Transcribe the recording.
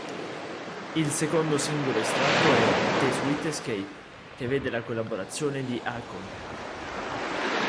Il secondo singolo estratto è "The Sweet Escape", che vede la collaborazione di Akon.